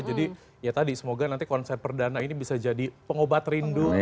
jadi ya tadi semoga nanti konsep perdana ini bisa jadi pengobat rindu